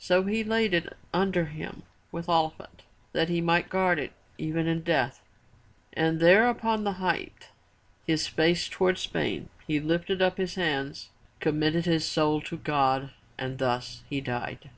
So he laid it under him with Oliphant, that he might guard it even in death, and there upon the height, his face toward Spain he lifted up his hands, committed his soul to God, and thus he died.